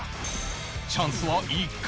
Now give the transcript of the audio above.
チャンスは１回